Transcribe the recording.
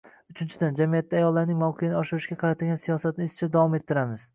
Uchinchidan, jamiyatda ayollarning mavqeini oshirishga qaratilgan siyosatni izchil davom ettiramiz.